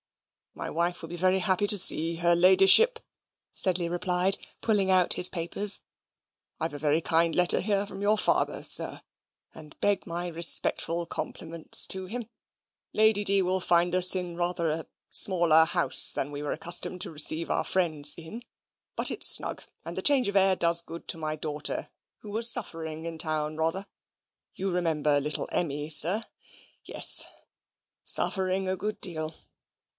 "My wife will be very happy to see her ladyship," Sedley replied, pulling out his papers. "I've a very kind letter here from your father, sir, and beg my respectful compliments to him. Lady D. will find us in rather a smaller house than we were accustomed to receive our friends in; but it's snug, and the change of air does good to my daughter, who was suffering in town rather you remember little Emmy, sir? yes, suffering a good deal."